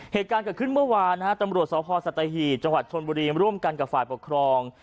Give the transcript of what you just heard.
เหตุการณ์เกิดขึ้นเมื่อวานนะฮะตำรวจสพสัตหีบจังหวัดชนบุรีร่วมกันกับฝ่ายปกครอง